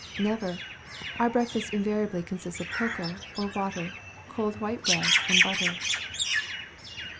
"Never; our breakfast invariably consists of cocoa, or water, cold white bread and butter."